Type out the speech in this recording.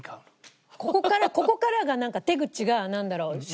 ここからここからがなんか手口がなんだろう？